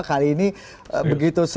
kali ini begitu serius dan juga galak mas revo